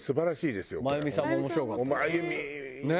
真由美さんも面白かったね。